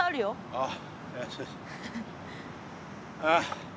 ああ。